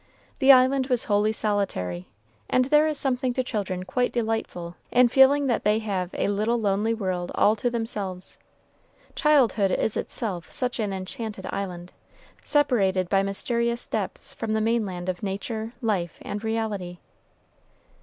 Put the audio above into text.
The island was wholly solitary, and there is something to children quite delightful in feeling that they have a little lonely world all to themselves. Childhood is itself such an enchanted island, separated by mysterious depths from the mainland of nature, life, and reality.